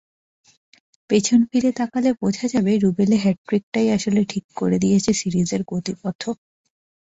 পেছন ফিরে তাকালে বোঝা যাবে, রুবেলে হ্যাটট্রিকটাই আসলে ঠিক করে দিয়েছে সিরিজের গতিপথও।